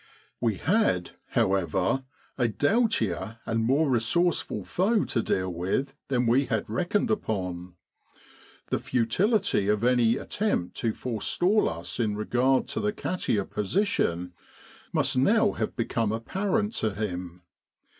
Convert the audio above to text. We had, however, a doughtier and more resource ful foe to deal with than we had reckoned upon. The futility of any attempt to forestall us in regard to the Katia position must now have become apparent to him.